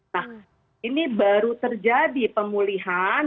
nah ini baru terjadi pemulihan